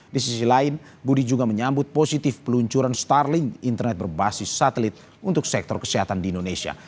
di sisi lain budi juga menyambut positif peluncuran starling internet berbasis satelit untuk sektor kesehatan di indonesia